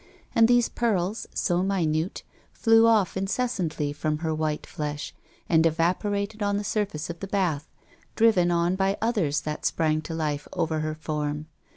And these pearls, so minute, flew off incessantly from her white flesh, and evaporated on the surface of the bath, driven on by others that sprung to life over her form.